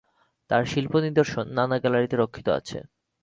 তার শিল্প নিদর্শন নানা গ্যালারিতে রক্ষিত আছে।